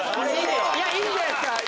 いいんじゃないっすか。